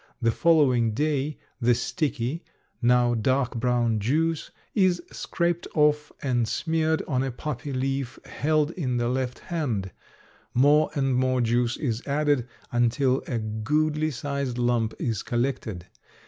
The following day the sticky, now dark brown juice, is scraped off and smeared on a poppy leaf held in the left hand; more and more juice is added until a goodly sized lump is collected.